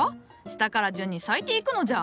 下から順に咲いていくのじゃ。